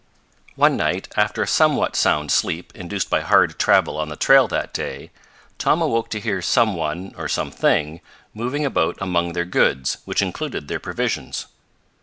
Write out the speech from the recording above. One night, after a somewhat sound sleep induced by hard travel on the trail that day, Tom awoke to hear some one or something moving about among their goods, which included their provisions.